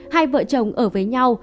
hai vợ chồng ở với nhau